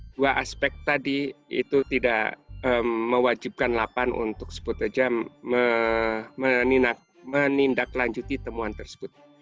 dua aspek tadi itu tidak mewajibkan lapan untuk sebut saja menindaklanjuti temuan tersebut